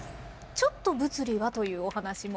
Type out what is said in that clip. ちょっと「物理」はというお話も。